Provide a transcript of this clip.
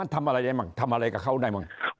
ทำอะไรกับเขาได้มั้ง